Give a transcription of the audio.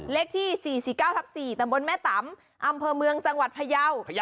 เลขที่๔๔๙ทับ๔ตำบลแม่ตำอำเภอเมืองจังหวัดพยาว